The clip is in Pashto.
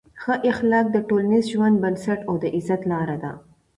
ښه اخلاق د ټولنیز ژوند بنسټ او د عزت لار ده.